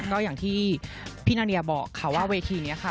ก็อย่างที่พี่นาเนียบอกค่ะว่าเวทีนี้ค่ะ